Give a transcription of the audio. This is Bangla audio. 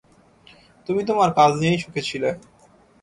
তুমি তোমার কাজ নিয়েই সুখী ছিলে।